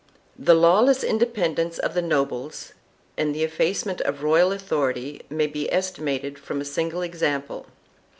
2 The lawless independence of the nobles and the effacement of the royal authority may be estimated from a single example.